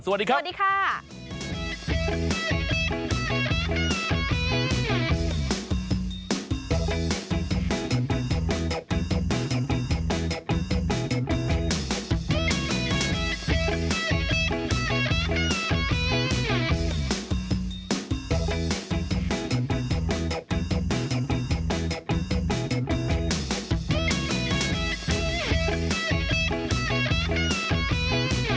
สวัสดีครับสวัสดีค่ะสวัสดีค่ะ